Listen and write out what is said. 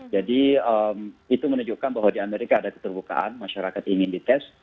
jadi itu menunjukkan bahwa di amerika ada keterbukaan masyarakat ingin dites